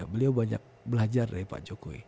beliau banyak belajar dari pak jokowi